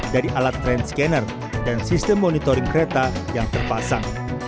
dari alat train scanner dan sistem monitoring kereta yang terpasang